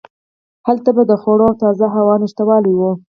هلته به د خوړو او تازه هوا نشتوالی و.